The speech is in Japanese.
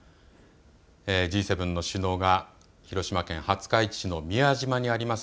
Ｇ７の首脳が広島県廿日市市の宮島にあります